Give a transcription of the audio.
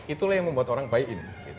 itulah yang membuat orang buy in